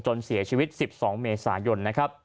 จนเสียชีวิต๑๒เมษายน